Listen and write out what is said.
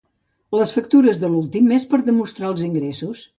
Les factures de l'últim mes per demostrar els ingressos.